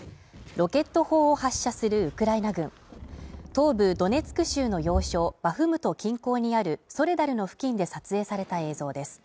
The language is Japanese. ロケット砲を発射するウクライナ軍東部ドネツク州の要衝バフムト近郊にあるソレダルの付近で撮影された映像です